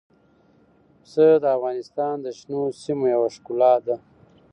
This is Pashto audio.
پسه د افغانستان د شنو سیمو یوه ښکلا ده.